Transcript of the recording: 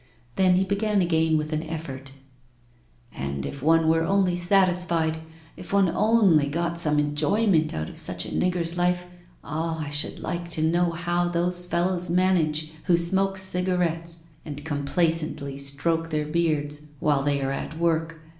Then he began again with an effort: 'And if one were only satisfied, if one only got some enjoyment out of such a nigger's life! Ah! I should like to know how those fellows manage who smoke cigarettes and complacently stroke their beards while they are at work.